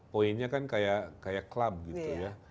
poinnya kan kayak club gitu ya